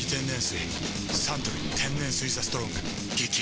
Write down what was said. サントリー天然水「ＴＨＥＳＴＲＯＮＧ」激泡